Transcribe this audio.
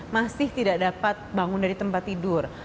masih tidak dapat bangun dari tempat tidur